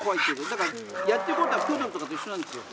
だからやっていることはプードルとかと一緒なんですよ。